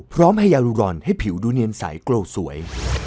พร้อมให้ยารูรอนให้ผิวดูเนียนใสโกรธสวย